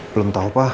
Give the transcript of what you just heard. belum tau pak